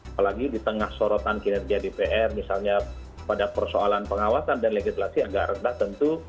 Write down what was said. apalagi di tengah sorotan kinerja dpr misalnya pada persoalan pengawasan dan legislasi agak rendah tentu